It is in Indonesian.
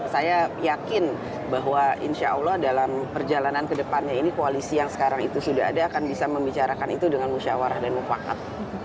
saya yakin bahwa insya allah dalam perjalanan kedepannya ini koalisi yang sekarang itu sudah ada akan bisa membicarakan itu dengan musyawarah dan mufakat